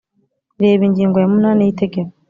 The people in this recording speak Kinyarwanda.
reba ingingo ya munani y’itegeko